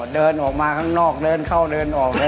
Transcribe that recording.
เดินออกมาข้างนอกเดินเข้าเดินออกเลย